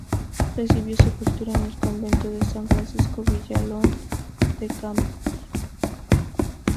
Recibió sepultura en el convento de San Francisco de Villalón de Campos.